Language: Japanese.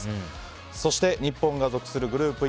そして日本が属するグループＥ